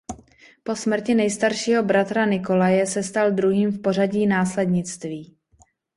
Po smrti nejstaršího bratra Nikolaje se stal druhým v pořadí následnictví.